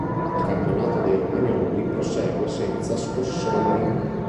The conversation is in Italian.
Il campionato dei romagnoli prosegue senza scossoni.